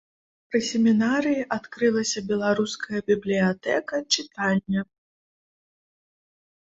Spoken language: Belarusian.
Пры семінарыі адкрылася беларуская бібліятэка-чытальня.